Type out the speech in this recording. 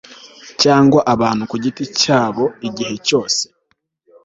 cyangwa abantu ku giti cyabo igihe cyose